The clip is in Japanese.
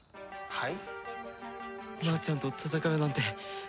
はい？